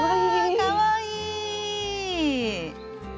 かわいい！